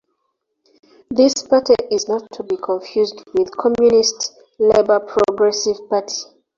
This party is not to be confused with the communist Labor-Progressive Party.